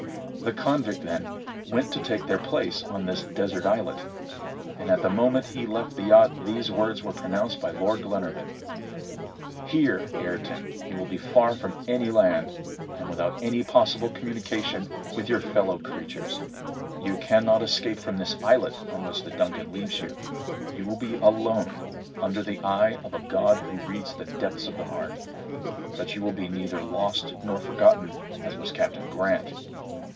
"The convict, then, went to take their place on this desert islet, and at the moment he left the yacht these words were pronounced by Lord Glenarvan: "'Here, Ayrton, you will be far from any land, and without any possible communication with your fellow creatures. You cannot escape from this islet on which the Duncan leaves you. You will be alone, under the eye of a God who reads the depths of the heart; but you will be neither lost nor forgotten, as was Captain Grant.